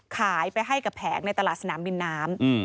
ขายไปให้กับแผงในตลาดสนามบินน้ำ